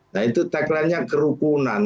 nah itu tagline nya kerukunan